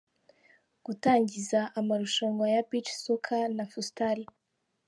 Gutangiza amarushanwa ya Beach Soccer na Futsal.